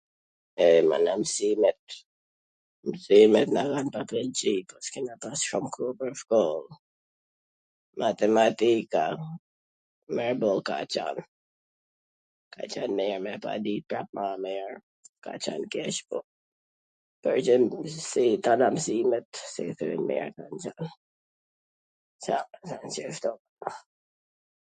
Ej mana, msimet msimet na kan pas njCik... s kena pas shum koh pwr shkoll, matematika mirboll ka qwn, ka qwn me pa dit pak ma mir, ka qwn keq po ka qen si tana msimet, si thon njerzit, ca, qashtu.